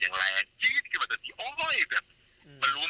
ยังแรงมากแล้วแบบมันปวดค่ะ